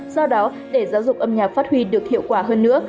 do đó để giáo dục âm nhạc phát huy được hiệu quả hơn nữa